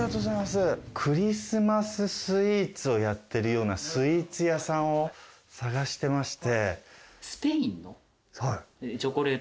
クリスマス・スイーツをやってるようなスイーツ屋さんを探してまして。